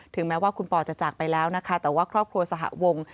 แม้ว่าคุณปอจะจากไปแล้วนะคะแต่ว่าครอบครัวสหวง